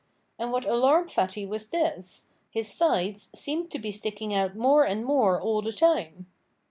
And what alarmed Fatty was this: his sides seemed to be sticking out more and more all the time.